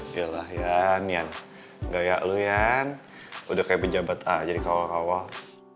yalah yan gaya lo yan udah kayak pejabat a jadi kawal kawal